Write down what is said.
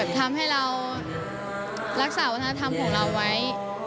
ทำให้เรารักษาวัฒนธรรมของเราไว้